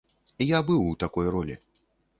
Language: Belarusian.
Я быў у такой ролі.